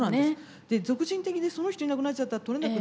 属人的でその人いなくなっちゃったら取れなくなる。